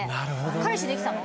「彼氏できたの？」